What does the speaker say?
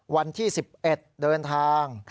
วันที่๑๑เดินทาง